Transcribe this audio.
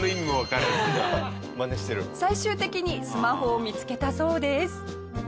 最終的にスマホを見付けたそうです。